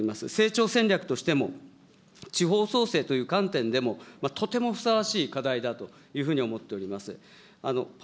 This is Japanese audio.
成長戦略としても、地方創生という観点でもとてもふさわしい課題だというふうに思っております。